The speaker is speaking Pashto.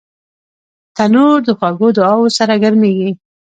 تنور د خوږو دعاوو سره ګرمېږي